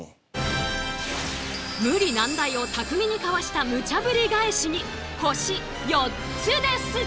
無理難題を巧みにかわしたムチャぶり返しに星４つです！